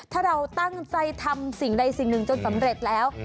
ถ้าเราตั้งใจทำสิ่งใดสิ่งหนึ่งจนสำเร็จแล้ว